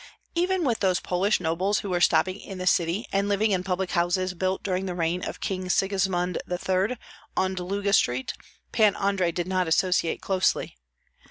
Even with those Polish nobles who were stopping in the city and living in public houses built during the reign of King Sigismund III. on Dluga Street, Pan Andrei did not associate closely.